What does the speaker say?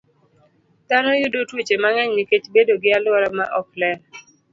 Dhano yudo tuoche mang'eny nikech bedo gi alwora maok ler.